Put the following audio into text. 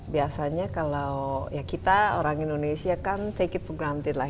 biasanya kalau ya kita orang indonesia kan take it for granted lah